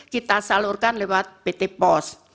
kita salurkan lewat pt pos